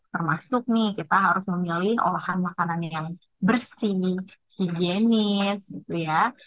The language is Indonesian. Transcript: termasuk nih kita harus memilih olahan makanan yang bersih higienis gitu ya